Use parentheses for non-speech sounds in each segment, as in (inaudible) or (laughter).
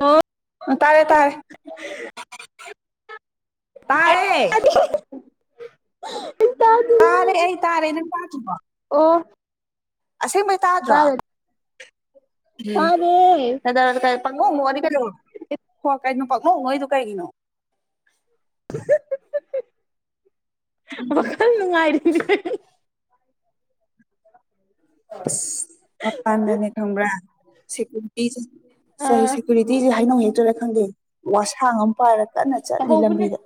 ꯑꯣ (inaudible) ꯇꯥꯔꯦ ꯇꯥꯔꯦ ꯇꯥꯔꯦ ꯇꯥꯔꯦ ꯑꯩ ꯇꯥꯔꯦ ꯅꯪ ꯇꯥꯗ꯭ꯔꯤꯕꯣ ꯑꯣ ꯑꯁꯦꯡꯕꯩ ꯇꯥꯗ꯭ꯔꯣ ꯇꯥꯔꯦ ꯎꯝ ꯇꯥꯔꯦ ꯀꯗꯧꯔꯒꯦ ꯇꯥꯢꯞ ꯄꯪꯅꯣꯛ ꯅꯣꯛꯑꯗꯤ ꯀꯩꯗꯧꯔꯕ ꯍꯣ ꯀꯩꯅꯣ ꯄꯪꯅꯣꯛ ꯅꯣꯛꯏꯗꯣ ꯀꯩꯒꯤꯅꯣ ꯋꯥꯈꯜ ꯅꯨꯡꯉꯥꯏꯔꯤꯌꯦ ꯏꯁ ꯃꯄꯥꯟꯗꯅꯦ ꯈꯪꯕ꯭ꯔꯥ ꯁꯦꯀꯨꯔꯤꯇꯤꯁꯤꯡ ꯁꯔꯒꯤ ꯑꯥ ꯁꯦꯀ꯭ꯌꯨꯔꯤꯇꯤꯖꯦ ꯍꯩꯅꯧ ꯍꯦꯛꯇꯣꯏꯔꯥ ꯈꯪꯗꯦ ꯋꯥꯁꯥꯡ ꯑꯃ ꯄꯥꯔ ꯀꯟꯅ ꯆꯠꯂꯤ ꯂꯝꯕꯤꯗ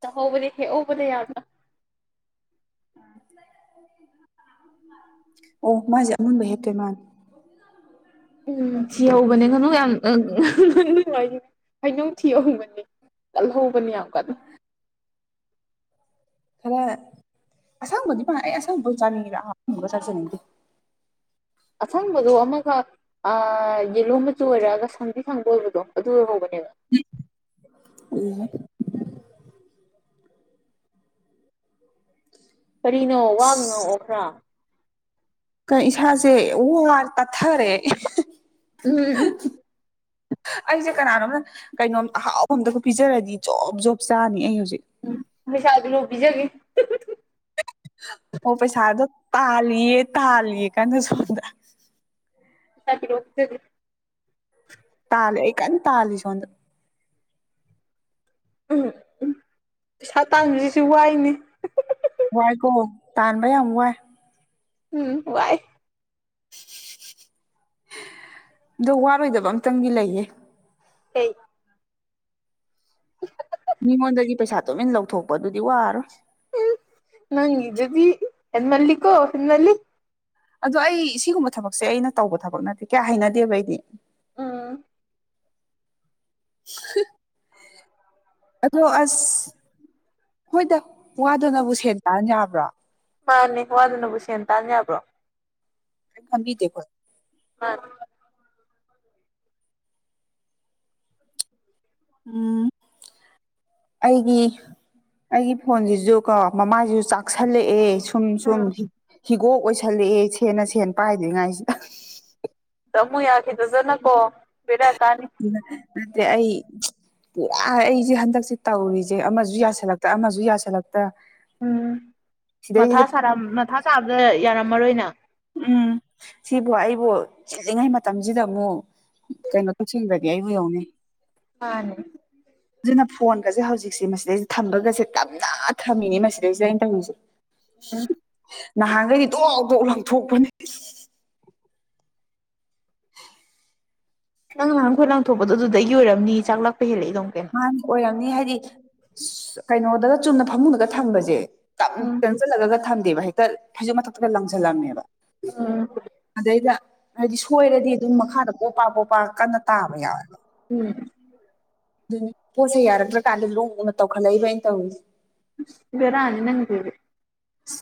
ꯇꯧꯍꯧꯕꯅꯦ ꯍꯦꯛꯍꯧꯕꯅꯦ ꯌꯥꯝꯅ (inaudible) ꯑꯣ ꯃꯥꯁꯦ ꯑꯃꯨꯟꯕ ꯍꯦꯛꯇꯣꯏ ꯃꯥꯟ ꯎꯝ ꯊꯤꯍꯧꯕꯅꯦ ꯃꯗꯨ ꯌꯥꯝ ꯑꯗꯨ ꯊꯤꯍꯧꯕꯅꯦ ꯀꯜꯍꯧꯕꯅꯤ ꯌꯥꯝ ꯀꯟꯅ ꯈꯔ ꯑꯁꯪꯕꯗꯤ ꯄꯥꯟ ꯑꯦ ꯑꯩ ꯑꯁꯪꯕꯣꯏ ꯆꯥꯅꯤꯡꯉꯦꯕ ꯑꯍ ꯃꯨꯟꯕꯗꯣ ꯆꯥꯖꯅꯤꯡꯗꯦ ꯑꯁꯪꯕꯗꯣ ꯑꯃꯈꯛ ꯑꯥ ꯌꯦꯂꯣ ꯃꯆꯨ ꯑꯣꯏꯔꯛꯑꯒ ꯁꯪꯗꯤ ꯁꯪꯕ ꯑꯣꯏꯕꯗꯣ ꯑꯗꯨ ꯑꯣꯏꯍꯧꯕꯅꯤ (unintelligible) ꯀꯔꯤꯅꯣ ꯋꯥꯒ ꯉꯥꯡꯉꯛꯑꯣ ꯈꯔ ꯀ ꯏꯁꯥꯁꯦ ꯋꯥꯔꯦ ꯄꯠꯊꯔꯦ ꯎꯝ ꯑꯩꯁꯦ ꯀꯅꯥꯅꯣꯝꯅ ꯀꯩꯅꯣꯝ ꯑꯍꯥꯎꯕ ꯑꯃꯝꯇꯒ ꯄꯤꯖꯔꯗꯤ ꯖꯣꯞ ꯖꯣꯞ ꯆꯥꯔꯅꯤ ꯑꯩ ꯍꯧꯖꯤꯛ (unintelligible) ꯑꯣ ꯄꯩꯁꯥꯗꯣ ꯇꯥꯜꯂꯤꯌꯦ ꯇꯥꯜꯂꯤꯌꯦ ꯀꯟꯅ ꯁꯣꯝꯗ ꯄꯩꯁꯥ ꯄꯤꯔꯛꯑꯣ ꯄꯤꯖꯒꯦ ꯇꯥꯜꯂꯦ ꯑꯩ ꯀꯟꯅ ꯇꯥꯜꯂꯤ ꯁꯣꯟꯗ ꯎꯝ ꯎꯝ ꯄꯩꯁꯥ ꯇꯥꯟꯕꯁꯤꯁꯨ ꯋꯥꯏꯅꯦ ꯋꯥꯏ ꯀꯣ ꯇꯥꯟꯕ ꯌꯥꯝ ꯋꯥꯏ ꯎꯝ ꯋꯥꯏ ꯑꯗꯣ ꯋꯥꯔꯣꯏꯗꯕ ꯑꯝꯇꯪꯗꯤ ꯂꯩꯌꯦ ꯀꯩ (inaudible) ꯃꯤꯉꯣꯟꯗꯗꯤ ꯄꯩꯁꯥ ꯇꯨꯃꯤꯟ ꯂꯧꯊꯣꯛꯄ ꯑꯗꯨꯗꯤ ꯋꯥꯔꯣꯏ ꯅꯪꯒꯤꯗꯨꯗꯤ ꯍꯦꯟꯃꯜꯂꯤꯀꯣ ꯍꯦꯟꯃꯜꯂꯤ ꯑꯗꯣ ꯑꯩ ꯁꯤꯒꯨꯝꯕ ꯊꯕꯛꯁꯦ ꯑꯩꯅ ꯇꯧꯕ ꯊꯕꯛ ꯅꯠꯇꯦ ꯀꯌꯥ ꯍꯩꯅꯗꯦꯕ ꯑꯩꯗꯤ ꯎꯝ (unintelligible) ꯑꯗꯣ ꯑꯁ ꯍꯣꯏꯗ ꯋꯥꯗꯅꯕꯨ ꯁꯦꯟ ꯇꯥꯟ ꯌꯥꯕ꯭ꯔꯣ ꯇꯥꯅꯤꯄ꯭ꯔꯣ ꯈꯕꯤꯗꯀꯣ ꯑ ꯎꯝ ꯑꯩꯒꯤ ꯑꯩꯒꯤ ꯐꯣꯟꯁꯤꯁꯨ ꯀꯣ ꯃꯃꯥꯁꯤꯁꯨ ꯆꯥꯛꯁꯜꯂꯛꯑꯦ ꯁꯨꯝ ꯁꯨꯝ ꯍꯤꯒꯣꯛ ꯑꯣꯏꯁꯜꯂꯛꯑꯦ ꯁꯦꯅ ꯁꯦꯟ ꯄꯥꯏꯗ꯭ꯔꯤꯉꯥꯏꯁꯤꯗ ꯇꯃꯨ ꯌꯥꯈꯤꯗꯖꯅꯀꯣ (inaudible) ꯑ ꯑꯩ ꯑꯩꯁꯦ ꯍꯟꯗꯛꯁꯦ ꯇꯧꯔꯤꯁꯦ ꯑꯃꯁꯨ ꯌꯥꯁꯜꯂꯛꯇ ꯑꯃꯁꯨ ꯌꯥꯁꯜꯂꯛꯇ ꯎꯝ ꯃꯊꯥ ꯁꯤꯗꯩꯁꯤꯗ ꯁꯥꯔ ꯃꯊꯥ ꯆꯥꯕꯗ ꯌꯥꯔꯝꯃꯔꯣꯏꯅ ꯎꯝ ꯁꯤꯕꯨꯏ ꯑꯗꯨꯕꯨ ꯆꯤꯜꯂꯤꯉꯩ ꯃꯇꯝꯁꯤꯗ ꯑꯃꯨꯛ ꯀꯩꯅꯣ ꯇꯧꯁꯤꯟꯕ꯭ꯔꯗꯤ ꯑꯩꯕꯨ ꯌꯧꯅꯤ ꯃꯥꯅꯦ ꯑꯗꯨꯅ ꯐꯣꯟꯒꯁꯦ ꯍꯧꯖꯤꯛꯁꯦ ꯃꯁꯤꯗꯩꯁꯤꯦ ꯊꯝꯕꯒꯁꯦ ꯇꯞꯅ ꯊꯝꯃꯤꯅꯦ ꯃꯁꯤꯗꯩꯁꯤꯗ ꯑꯩꯅ ꯇꯧꯔꯤꯁꯦ ꯎꯝ ꯅꯍꯥꯟꯈꯩꯗꯤ ꯇꯣꯛ ꯇꯣꯛ ꯂꯪꯊꯣꯛꯄꯅꯦ ꯅꯪ ꯉꯍꯥꯡꯈꯣꯏ ꯂꯥꯡꯊꯣꯛꯄꯗꯣ ꯑꯗꯨꯗꯩ ꯌ ꯑꯣꯏꯔꯝꯅꯤ ꯆꯥꯛ ꯂꯛꯄ ꯍꯦꯜꯂꯛꯏꯅꯦ ꯃꯥꯗꯤ ꯑꯣꯏꯔꯝꯅꯤ ꯍꯥꯏꯗꯤ ꯀꯩꯅꯣꯗꯒ ꯆꯨꯝꯅ ꯐꯃꯨꯡꯗꯒ ꯊꯝꯕꯁꯦ ꯎꯝ ꯆꯪꯁꯤꯜꯂꯒ ꯊꯝꯗꯦꯕ ꯍꯦꯛꯇ ꯍꯥꯏꯩꯖ ꯃꯊꯛꯇꯒ ꯂꯪꯁꯤꯜꯂꯝꯃꯦꯕ ꯎꯝ ꯍꯥꯏꯗꯤ ꯁꯣꯏꯔꯗꯤ ꯑꯗꯨꯝ ꯃꯈꯥꯗ ꯄꯣ ꯄ ꯄꯣꯞꯄ ꯀꯟꯅ ꯇꯥꯕ ꯌꯥꯎꯋꯦꯕ ꯎꯝ ꯑꯗꯨꯅꯤ ꯄꯣꯠꯁꯦ ꯌꯥꯔꯛꯇ꯭ꯔꯀꯥꯟꯗ ꯂꯣꯡꯅ ꯇꯧꯈꯠꯂꯛꯏꯕ ꯑꯩꯅ ꯇꯧꯔꯤꯁꯦ ꯚꯦꯔꯥꯅꯤ ꯅꯥꯪꯒꯤꯗꯨꯗꯤ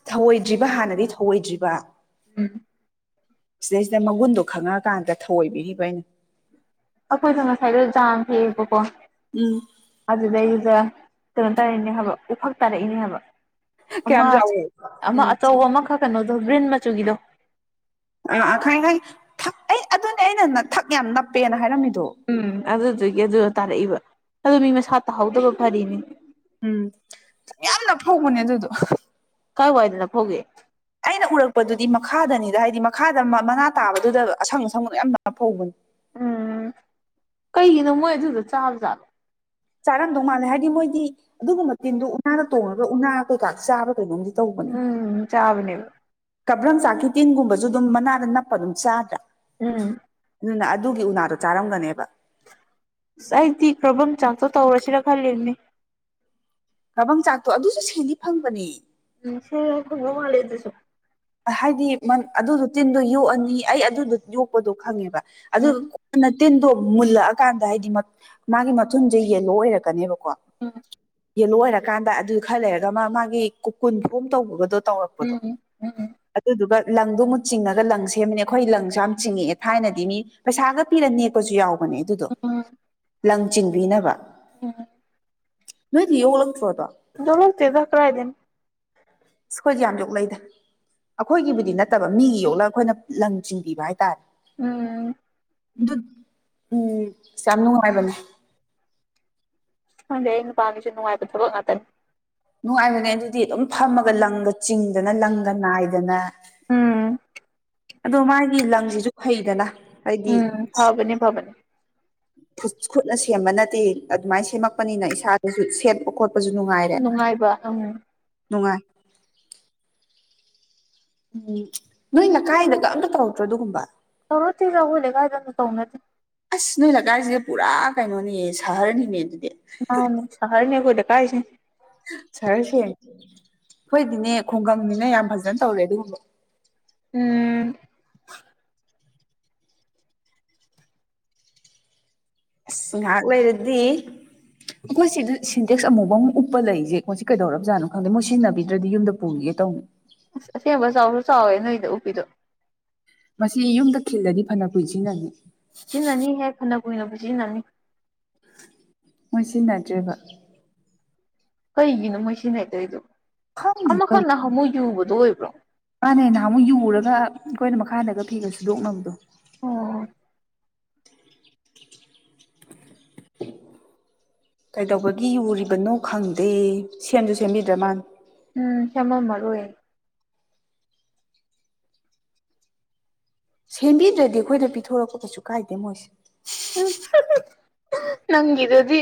ꯊꯧꯑꯣꯏꯗ꯭ꯔꯤꯕ ꯍꯥꯟꯅꯗꯤ ꯊꯧꯑꯣꯏꯗ꯭ꯔꯤꯕ ꯎꯝ ꯁꯤꯗꯩꯁꯤꯗ ꯃꯒꯨꯟꯗꯣ ꯈꯪꯉꯛꯑꯀꯥꯟꯗ ꯊꯧꯑꯣꯏꯕꯤꯔꯤꯕ ꯑꯩꯅ ꯑꯩꯈꯣꯏꯁꯨ ꯉꯁꯥꯏꯗ ꯖꯥꯝ ꯊꯦꯛꯑꯕꯀꯣ ꯎꯝ ꯑꯗꯨꯗꯩꯗꯨꯗ ꯀꯩꯅꯣ ꯇꯥꯔꯛꯅꯦ ꯍꯥꯏꯕ ꯎꯐꯛ ꯇꯥꯔꯛꯏꯅꯦ ꯍꯥꯏꯕ ꯑꯃ ꯀꯌꯥꯝ ꯆꯥꯎꯋꯤ ꯑꯃ ꯎꯝ ꯑꯆꯧꯕ ꯑꯃꯈꯛ ꯀꯩꯅꯣꯗꯣ ꯕꯔꯤꯟ ꯃꯆꯨꯒꯤꯗꯣ ꯑꯥ ꯈꯪ ꯈ ꯑꯩ ꯑꯗꯨꯅꯦ ꯑꯩꯅ ꯊꯛ ꯌꯥꯝ ꯅꯞꯄꯦꯅ ꯍꯥꯏꯔꯝꯃꯤꯗ ꯎꯝ ꯑꯗꯨꯗꯨꯒꯤ ꯑꯗꯨ ꯇꯥꯔꯛꯏꯕ ꯑꯗꯨ ꯃꯤ ꯃꯁꯥ ꯇꯥꯍꯧꯗꯕ ꯐꯔꯤꯅꯤ ꯎꯝ ꯌꯥꯝ (inaudible) ꯀꯥꯏ ꯋꯥꯏꯗꯅ ꯍꯒꯦ ꯄꯨꯔꯛꯄꯗꯨꯗꯤ ꯃꯈꯥꯗꯅꯤꯗ ꯍꯥꯏꯗꯤ ꯃꯈꯥꯗ ꯃꯅꯥ ꯇꯥꯕꯗꯨꯗ ꯑꯁꯪ ꯑꯁꯪ ꯌꯥꯝ ꯐꯧꯕꯅꯤ ꯎꯝ ꯀꯩꯒꯤꯅꯣ ꯃꯣꯏ ꯑꯗꯨꯗ ꯆꯥꯕꯖꯥꯕꯣ ꯆꯥꯔꯝꯗꯧ ꯃꯥꯜꯂꯦ ꯍꯥꯏꯗꯤ ꯃꯣꯏꯗꯤ ꯑꯗꯨꯒꯨꯝꯕ ꯇꯤꯟꯗꯨꯣ ꯎꯅꯥꯗ ꯇꯣꯡꯉꯒ ꯎꯅꯥ ꯀꯩꯀꯥ ꯆꯥꯕ ꯀꯩꯅꯣꯝꯗꯤ ꯎꯝ ꯆꯥꯕꯅꯦꯕ ꯀꯕ꯭ꯔꯪ ꯆꯥꯛꯀꯤ ꯇꯤꯟꯒꯨꯝꯕꯁꯨ ꯑꯗꯨꯝ ꯃꯅꯥꯗ ꯅꯞꯄ ꯑꯗꯨꯝ ꯆꯥꯗ꯭ꯔꯥ ꯑꯝ ꯑꯗꯨꯅ ꯑꯗꯨꯒꯤ ꯎꯅꯥꯗꯣ ꯆꯥꯔꯝꯒꯅꯦꯕ ꯑꯁ ꯑꯩꯗꯤ ꯀꯔꯝꯕ ꯆꯥꯛꯇꯣ ꯇꯧꯔꯁꯤꯔ ꯈꯜꯂꯤꯅꯦ ꯀꯥꯕꯪ ꯆꯥꯛꯇꯣ ꯑꯗꯨꯁꯨ ꯁꯦꯟꯗꯤ ꯐꯪꯕꯅꯤ ꯃ ꯍꯦ ꯑꯗꯨꯁꯨ ꯍꯥꯏꯗꯤ ꯑꯗꯨꯗꯣ ꯇꯤꯟꯗꯣ ꯌꯣꯛꯑꯅꯤ ꯑꯩ ꯑꯗꯨꯗꯣ ꯌꯣꯛꯄꯗꯣ ꯈꯪꯉꯦꯕ ꯑꯗꯨ ꯎꯝ ꯀꯣꯟꯅ ꯇꯤꯟꯗꯣ ꯃꯨꯜꯂꯛꯑꯀꯥꯟꯗ ꯍꯥꯏꯗꯤ ꯃꯥꯒꯤ ꯃꯊꯨꯝꯁꯦ ꯌꯦꯂꯣ ꯑꯣꯏꯔꯛꯀꯅꯦꯕꯀ ꯀ ꯎꯝ ꯌꯦꯂꯣ ꯑꯣꯏꯔꯀꯥꯟꯗ ꯑꯗꯨ ꯈꯔ ꯂꯩꯔꯒ ꯃꯥ ꯃꯥꯒꯤ ꯀꯨꯀꯨꯟ ꯐꯣꯝ ꯇꯧꯕꯒꯗꯣ ꯇꯧꯔꯛꯄꯗꯣ ꯎꯝ ꯎꯝ ꯑꯗꯨꯗꯨꯒ ꯂꯪꯗꯨ ꯑꯃꯨꯛ ꯆꯤꯡꯉꯒ ꯂꯪ ꯁꯦꯝꯕꯅꯦ ꯑꯩꯈꯣꯏ ꯂꯪꯁꯨ ꯌꯥꯝ ꯆꯤꯡꯉꯛꯑꯦ ꯊꯥꯏꯅꯗꯤ ꯃꯤ ꯄꯩꯁꯥꯒ ꯄꯤꯔ ꯅꯦꯛꯄꯁꯨ ꯌꯥꯎꯕ ꯃꯅꯦ ꯑꯗꯨꯗꯣ ꯎꯝ ꯂꯪ ꯆꯤꯡꯕꯤꯅꯕ ꯎꯝ ꯅꯣꯏꯗꯤ ꯌꯣꯛꯂꯛꯇ꯭ꯔꯣꯗꯣ ꯔꯁ ꯇꯖꯥꯛ ꯀꯥꯏꯗꯦꯝ ꯑꯩꯈꯣꯏꯁꯦ ꯌꯥꯝ ꯌꯣꯛꯂꯗ ꯑꯩꯈꯣꯏꯒꯤꯕꯨꯗꯤ ꯅꯠꯇꯕ ꯃꯤꯒꯤ ꯌꯣꯛꯂꯒ ꯑꯩꯈꯣꯏꯅ ꯂꯪ ꯆꯤꯡꯕꯤꯕ ꯍꯥꯏꯇꯥꯔꯦ ꯎꯝ ꯑꯗꯨ ꯎꯝ ꯑꯁ ꯌꯥꯝ ꯅꯨꯡꯉꯥꯏꯕꯅꯦ ꯍꯪꯗꯦ ꯑꯩꯅ ꯄꯥꯝꯃꯤꯁꯦ ꯅꯨꯡꯉꯥꯏꯕ ꯊꯕꯛ ꯉꯥꯛꯇꯅꯤ ꯅꯨꯡꯉꯥꯏꯕꯅꯦ ꯑꯗꯨꯗꯤ ꯑꯗꯨꯝ ꯐꯝꯃꯒ ꯂꯪꯒ ꯆꯤꯡꯗꯅ ꯂꯪꯒ ꯅꯥꯏꯗꯅ ꯎꯝ ꯑꯗꯣ ꯃꯥꯒꯤ ꯂꯪꯁꯤꯁꯨ ꯐꯩꯗꯅ ꯍꯥꯏꯗꯤ ꯎꯝ ꯐꯕꯅꯤ ꯐꯕꯅꯤ ꯈꯨꯠ ꯈꯨꯠꯅ ꯁꯦꯝꯕ ꯅꯠꯇꯦ ꯑꯗꯨꯃꯥꯏꯅ ꯁꯦꯝꯃꯛꯄꯅꯤꯅ ꯏꯁꯥꯗꯁꯨ ꯁꯦꯝꯄ ꯈꯣꯠꯄ ꯅꯨꯡꯉꯥꯏꯕ ꯎꯝ ꯅꯨꯡꯉꯥꯏ ꯎꯝ ꯅꯣꯏ ꯅꯀꯥꯏꯗꯒ ꯑꯝꯇ ꯇꯧꯔꯛꯇ꯭ꯔꯣ ꯑꯗꯨꯒꯨꯝꯕ ꯇꯔꯣꯗꯤ ꯌꯥꯎ ꯂꯩ ꯀꯥꯏ ꯆꯅ ꯇꯧꯅꯗꯤ ꯑꯁ ꯅꯣꯏ ꯂꯩꯀꯥꯏꯁꯤꯗꯤ ꯄꯨꯔꯥ ꯀꯩꯅꯣꯅꯦ ꯁꯍꯔꯅꯤꯅꯦ ꯑꯗꯨ ꯃꯥ ꯅ ꯁꯍꯔꯅꯦ ꯑꯩꯈꯣꯏ ꯗꯀꯥꯏꯁꯤ ꯆꯔꯁꯦ ꯍꯣꯏꯗꯤꯅꯦ ꯈꯨꯡꯒꯪꯅꯤꯅ ꯌꯥꯝ ꯐꯖꯅ ꯇꯧꯔꯦ ꯑꯗꯨꯒꯨꯝꯕ ꯎꯝ ꯑ ꯉꯥꯛꯂ ꯏꯔꯗꯤꯗꯤ ꯃꯣꯏ ꯁꯤꯗ ꯁꯤꯟꯇꯦꯛꯁ ꯑꯃꯨꯐ ꯑ ꯑꯃꯨ ꯎꯞꯄ ꯂꯩꯁꯦꯀꯣꯏ ꯁꯤ ꯀꯩꯗꯧꯔꯕꯖꯥꯅꯣ ꯈꯪꯗꯦ ꯃꯣꯏ ꯁꯤꯖꯤꯟꯅꯕꯤꯗ꯭ꯔꯗꯤ ꯌꯨꯝꯗ ꯄꯨꯒ ꯇ ꯁꯥꯎꯦꯅꯣ ꯏꯗ ꯎꯄꯗꯨ ꯃꯁꯤ ꯌꯨꯝꯗ ꯈꯤꯜꯂꯗꯤ ꯐꯅ ꯀꯨꯏꯁꯤꯟꯅꯅꯤ ꯁꯤꯖꯤꯟꯅꯅꯤ ꯍꯦꯛ ꯈꯟꯅ ꯀꯨꯏꯅꯕ ꯁꯤꯖꯤꯟꯅꯅꯤ ꯃꯣꯏ ꯁꯤꯖꯤꯟꯅꯗ꯭ꯔꯦꯕ ꯀꯩꯒꯤꯅꯣ ꯃꯣꯏ ꯁꯤꯟꯅꯗꯣꯏꯗ ꯈꯪꯗꯦ ꯑꯃꯈꯛꯅ ꯑꯃꯨꯛ ꯌꯨꯕꯗꯣ ꯑꯣꯏꯕ꯭ꯔꯣ ꯃꯥꯅꯦ ꯅꯍꯥꯟꯃꯨꯛ ꯌꯨꯔꯒ ꯑꯩꯈꯣꯏꯅ ꯃꯈꯥꯗꯒ ꯐꯤꯒ ꯁꯨꯗꯣꯛꯅꯕꯗꯣ ꯑꯣ ꯀꯩꯗꯧꯕꯒꯤ ꯌꯨꯔꯤꯕꯅꯣ ꯈꯪꯗꯦ ꯁꯦꯝꯁꯨ ꯁꯦꯝꯕꯤꯗ꯭ꯔ ꯃꯥꯅꯤ ꯎꯝ ꯁꯦꯝꯃꯜ ꯃꯔꯔꯨꯏ ꯁꯦꯝꯕꯤꯗ꯭ꯔꯗꯤ ꯑꯩꯈꯣꯏꯗ ꯄꯤꯊꯣꯔꯛꯄ ꯀꯩꯁꯨ ꯀꯥꯏꯗꯦ ꯃꯣꯏꯁꯦ ꯅꯪꯒꯗꯗꯤ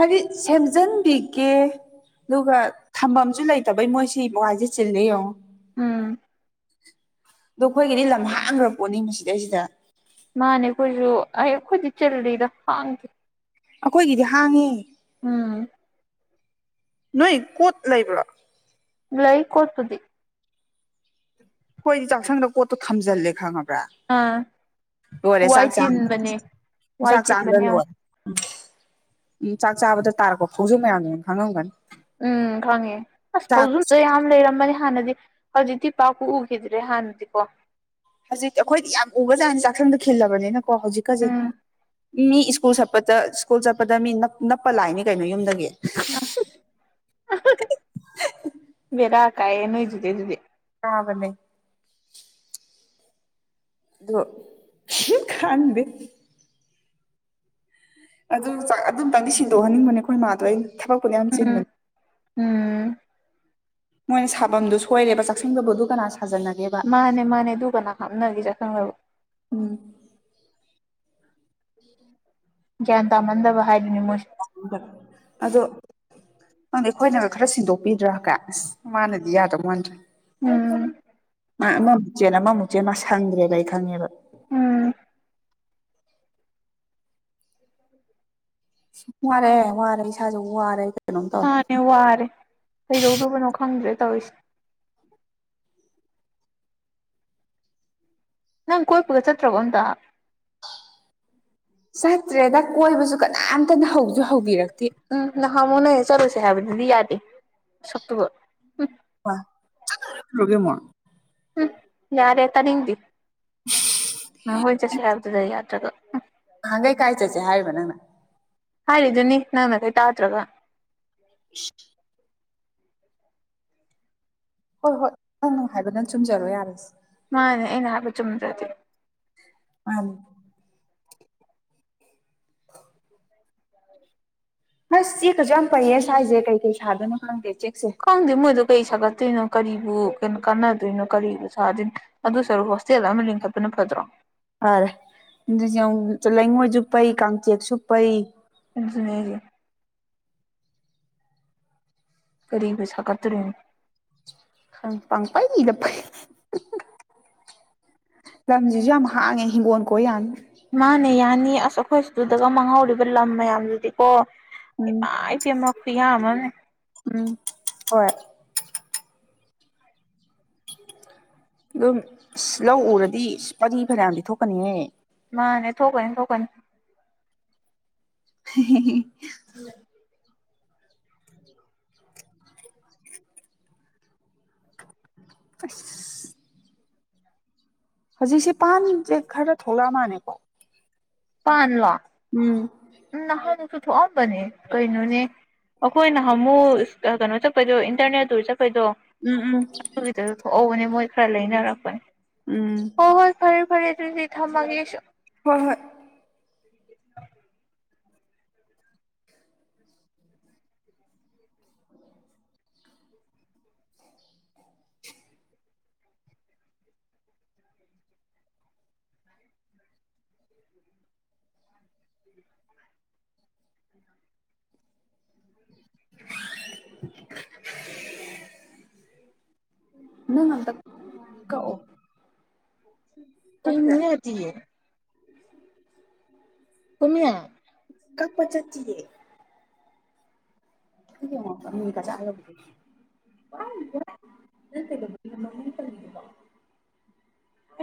ꯍꯥꯏꯗꯤ ꯁꯦꯝꯖꯤꯟꯕꯤꯒꯦ ꯑꯗꯨꯒ ꯊꯝꯐꯝꯁꯨ ꯂꯩꯇꯕꯩ ꯃꯣꯏ ꯁꯤ ꯕꯏꯁꯦ ꯆꯤꯜꯂ ꯌꯦꯡꯉꯣ ꯎꯝ ꯑꯗꯣ ꯑꯩꯈꯣꯏꯒꯤꯗꯤ ꯂꯝ ꯍꯥꯡꯈ꯭ꯔ ꯄꯣꯠꯅꯤ ꯃꯁꯤꯗꯩꯁꯤꯗ ꯃꯥꯅꯦ ꯑꯩꯈꯣꯏꯁꯨ ꯑꯩ ꯑꯩꯈꯣꯏꯗꯤ ꯆꯤꯜꯔꯤꯗ ꯍꯥꯡꯈꯤꯦ ꯑꯩꯈꯣꯏꯒꯤꯗꯤ ꯍꯥꯡꯉꯤ ꯅꯣꯏ ꯀꯣꯠ ꯂꯩꯕ꯭ꯔꯥ ꯭ꯂꯩ ꯀꯠꯇꯗꯤ ꯍꯣꯏꯗꯤ ꯆꯥꯛꯁꯪꯗ ꯄꯣꯠꯇꯣ ꯊꯝꯖꯜꯂꯦ ꯈꯪꯉꯕ ꯑꯥ ꯍꯔꯦ ꯋꯥꯏ ꯁꯥꯥꯛ ꯆ ꯆꯤꯟꯕꯅꯦ ꯋꯥꯏ ꯁꯥꯥꯛ ꯆ ꯆꯤꯟꯕꯅꯦ ꯑꯒꯟ ꯌꯥꯝ ꯑꯣꯏꯔꯦ ꯎꯝ ꯆꯥꯛ ꯆꯥꯕꯗ ꯇꯥꯔꯦꯀꯣ ꯐꯧꯁꯨ ꯃꯌꯥꯝꯅꯦꯅ ꯎꯝ ꯈꯪꯉꯦ ꯑꯁ ꯆꯥꯛ ꯐꯧꯖꯨꯡꯗ ꯌꯥꯝ ꯂꯩꯔꯝꯕꯅꯤ ꯍꯥꯟꯅꯗꯤ ꯍꯧꯖꯤꯛꯇꯤ ꯄꯥꯛꯄꯨ ꯎꯈꯤꯗ꯭ꯔꯦ ꯍꯥꯟꯅꯗꯤꯀꯣ ꯍꯧꯖꯤꯛꯇꯤ ꯑꯩꯈꯣꯏꯗꯤ ꯌꯥꯝ ꯎꯒꯖꯥꯠꯅꯤ ꯆꯥꯛꯁꯪꯗ ꯈꯤꯜꯂꯕꯅꯤꯅꯀꯣ ꯍꯧꯖꯤꯛꯀꯁꯦ ꯎꯝ ꯃꯤ ꯁ꯭ꯀꯨꯜ ꯆꯠꯄꯗ ꯁ꯭ꯀꯨꯜ ꯆꯠꯄꯗ ꯃꯤ ꯅ ꯅꯞꯄ ꯂꯥꯛꯏꯅꯤ ꯀꯩꯅꯣ ꯌꯨꯝꯗꯒꯤ ꯑ ꯕꯗꯥꯑ ꯀꯥꯏ ꯅꯣꯏꯗꯨꯨꯗꯦ ꯑꯗꯨꯗꯦ ꯑꯗꯃꯦ ꯑꯗꯣ ꯈꯥꯟꯗ ꯑꯗꯨ ꯆꯥꯛ ꯑꯗꯨ ꯑꯝꯇꯪꯗꯤ ꯁꯤꯟꯗꯣꯛꯍꯟꯅꯤꯡꯕꯅꯦ ꯑꯩꯈꯣꯏ ꯏꯃꯥꯗꯣ ꯑ ꯊꯕꯛꯄꯨꯅ ꯌꯥꯝ ꯎꯝ ꯆꯤꯟꯕꯅꯦ ꯎꯝ ꯃꯣꯏꯅ ꯁꯥꯐꯝꯗꯨ ꯁꯣꯏꯔꯦꯕ ꯆꯥꯛꯁꯤꯟꯗꯕꯨꯗꯨ ꯀꯅꯥ ꯁꯥꯖꯟꯅꯒꯦꯕ ꯃꯥꯅꯦ ꯃꯥꯅꯦ ꯑꯗꯨꯒ ꯀꯅꯥ ꯍꯥꯞꯅꯒꯤꯁ ꯈꯪꯅꯕ ꯎꯝ ꯭ꯌꯥꯟ ꯇ ꯃꯟꯗꯕꯍꯥꯔꯅꯤ ꯃꯨꯁ ꯑꯗꯣ ꯅꯪꯗꯤ ꯑꯩꯈꯣꯏꯅ ꯈꯔ ꯁꯤꯟꯗꯣꯛꯄꯤꯗ꯭ꯔꯥ ꯀꯦ ꯑꯁ ꯃꯥꯅꯗꯤ ꯌꯥꯗꯧ ꯃꯥꯟꯗ꯭ꯔꯦ ꯎꯝ ꯃꯥ ꯑꯃꯃꯨꯛꯆꯦꯅ ꯑꯃꯃꯨꯛꯆꯦ ꯃꯥ ꯁꯪꯗ꯭ꯔꯦꯅ ꯑꯩ ꯈꯪꯉꯦꯕ ꯎꯝ (inaudible) ꯁ ꯋꯥꯔꯦ ꯋꯥꯔꯦ ꯏꯁꯥꯁꯨ ꯋꯥꯔꯦ ꯀꯩꯅꯣꯝ ꯇꯧꯔꯦ ꯃꯥꯅꯦ ꯋꯥꯔꯦ ꯀꯩꯗꯧꯗꯕꯅꯣ ꯈꯪꯗ꯭ꯔꯦ ꯇꯧꯔꯤꯁꯦ ꯅꯪ ꯀꯣꯏꯄꯒ ꯆꯠꯇ꯭ꯔꯕꯣ ꯑꯝꯇ ꯆꯇ꯭ꯔꯦꯗ ꯀꯣꯏꯕꯁꯨ ꯀ ꯍꯟꯇꯅ ꯍꯧꯗ ꯎꯝ ꯅꯍꯃꯨ ꯅꯣꯏ ꯆꯠꯂꯨꯁꯦ ꯍꯥꯏꯕꯗꯨꯗꯤ ꯌꯥꯗꯦ ꯁꯨ ꯎꯝ ꯋꯥ ꯔꯒꯦ ꯃꯣꯔ ꯎꯝ ꯌꯥꯔꯦ ꯇꯥꯅꯤꯡꯗꯤ ꯅꯪ ꯍꯣꯏ ꯆꯠꯁꯦ ꯍꯥꯏꯕꯗꯨꯗ ꯌꯥꯗ꯭ꯔꯒ ꯍꯪꯒꯩ ꯀꯥꯏ ꯆꯠꯁꯦ ꯍꯥꯏꯔꯤꯕ ꯅꯪꯅ ꯍꯥꯏꯥꯏꯦꯗꯨꯅꯤ ꯅꯥꯟ ꯀꯩ ꯇꯥꯇ꯭ꯔꯒ ꯏ ꯍꯣꯏ ꯍꯣꯏ ꯅꯪ ꯅꯨꯡꯉꯥꯏꯕ ꯅꯪ ꯆꯨꯝꯖꯔꯣ ꯌꯥꯔꯁꯤꯦ ꯃꯥꯅꯦ ꯑꯩꯅ ꯍꯥꯏꯕ ꯆꯨꯝꯗ꯭ꯔꯗꯤꯦ ꯑ ꯑꯁ ꯁꯤꯈꯁꯨ ꯌꯥꯝ ꯐꯩꯌꯦ ꯁ꯭ꯋꯥꯏꯁꯦ ꯀꯩ ꯀꯩ ꯁꯥꯗꯣꯏꯅ ꯈꯪꯂꯝꯗꯦꯦ ꯀꯣꯡꯗꯤ ꯃꯣꯏꯗꯨ ꯀꯩ ꯁꯒ ꯆꯠꯇꯣꯏꯅꯣ ꯀꯔꯤꯕꯨ ꯀꯩꯅꯣ ꯀꯥꯟꯅꯗꯣꯏꯅꯣ ꯀꯔꯤꯕꯨ ꯁꯥꯗꯣꯏꯅꯣ ꯑꯗꯨꯁꯨꯔꯨ ꯍꯣꯁꯇꯦꯜ ꯑꯃ ꯂꯤꯡꯈꯠꯄꯅ ꯐꯗ꯭ꯔꯣ ꯑꯔꯦ ꯂꯩꯉꯣꯏꯁꯨ ꯄꯩ ꯀꯥꯡꯆꯦꯛꯁꯨ ꯄꯩ ꯅꯦ ꯀꯔꯤꯕ ꯁꯀꯠꯇ꯭ꯔꯅꯤ ꯪ ꯄꯪꯄꯥꯏꯗꯄꯥꯏ ꯂꯝꯁꯤꯁꯨ ꯌꯥꯝ ꯍꯥꯡꯉꯦ ꯍꯤꯡꯒꯣꯜ ꯀꯣ ꯌꯥꯅꯤ ꯃꯥꯅꯦ ꯌꯥꯅꯤ ꯑꯁ ꯑꯩꯈꯣꯏ ꯑꯗꯨꯗꯒ ꯃꯥꯡꯍꯧꯔꯤꯕ ꯂꯝ ꯃꯌꯥꯝꯗꯨꯗꯤꯀꯣ ꯏꯄꯥ ꯎꯝ ꯏꯄꯦꯝꯃ ꯐꯤ ꯌꯥꯃꯅꯦ ꯎꯝ ꯍꯣꯏ ꯑꯗꯨꯝ ꯂꯧ ꯎꯔꯗꯤ ꯄꯔꯤ ꯐꯅꯗꯤ ꯊꯣꯛꯀꯅꯤꯍꯦ ꯃꯥꯅꯦ ꯊꯣꯛꯀꯅꯤ ꯊꯣꯛꯀꯅꯤ ꯍ ꯑꯁ ꯍꯧꯖꯤꯛꯁꯦ ꯄꯥꯟꯁꯦ ꯈꯔ ꯊꯣꯛꯂꯛꯑ ꯃꯥꯜꯅꯦꯀꯣ ꯐꯟꯂꯣ ꯎꯝ ꯁꯨ ꯊꯣꯛꯑꯝꯕꯅꯦ ꯀꯩꯅꯣꯅꯦ ꯑꯩꯈꯣꯏꯅ ꯍꯥꯃꯨꯛ ꯀꯩꯅꯣ ꯆꯠꯄꯗꯣ ꯏꯟꯇꯔꯅꯦꯠꯇ ꯆꯄ ꯑꯩꯈꯣꯏꯗꯣ ꯎꯝ ꯎꯝ ꯑꯗꯨꯒꯤꯗ ꯊꯣꯛꯍꯧꯕꯅꯦ ꯃꯣꯏ ꯈꯔ ꯂꯩꯅꯔꯛꯄꯅꯦ ꯎꯝ ꯍ ꯍꯣꯏ ꯐꯔꯦ ꯐꯔꯦ ꯑꯗꯨꯗꯤ ꯊꯃꯒꯤꯁ ꯍꯣꯏ ꯍꯣꯏ (inaudible) ꯅ ꯉꯇ ꯇ ꯀꯛꯄ꯭ꯔꯥ ꯑꯇꯑ ꯀꯃꯤꯌꯥ ꯀꯞꯄ ꯆꯠꯇꯤꯦ ꯊꯦ ꯃ ꯃꯅꯤ ꯀ ꯆꯂ ꯋꯥꯣ ꯑ